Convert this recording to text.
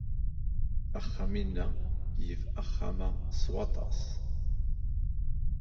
Axxam inna yif axxam-a s waṭas.